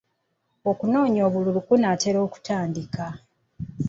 Okunoonya obululu kunaatera okutandika.